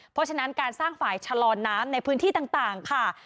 เพราะฉะนั้นการสร้างฝ่ายชะลอน้ำในพื้นที่ต่างค่ะ